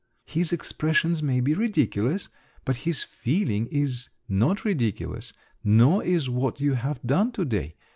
"His expressions may be ridiculous, but his feeling is not ridiculous, nor is what you have done to day.